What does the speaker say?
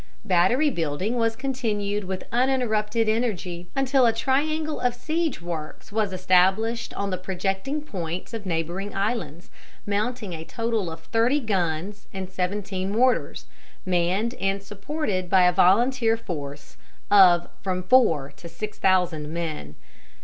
Battery building was continued with uninterrupted energy until a triangle of siege works was established on the projecting points of neighboring islands, mounting a total of thirty guns and seventeen mortars, manned and supported by a volunteer force of from four to six thousand men.